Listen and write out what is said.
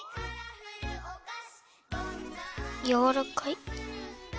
やわらかい。